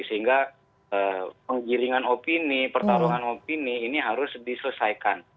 sehingga penggiringan opini pertarungan opini ini harus diselesaikan